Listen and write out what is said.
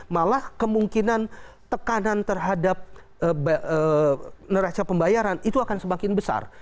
malah kemungkinan tekanan terhadap neraca pembayaran itu akan semakin besar